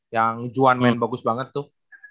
yang juan main bagus banget tuh